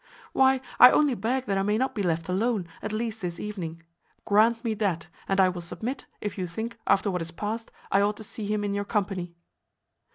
"Why, I only beg that I may not be left alone, at least this evening; grant me that, and I will submit, if you think, after what is past, I ought to see him in your company."